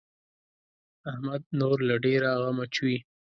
احمد نور له ډېره غمه چويي.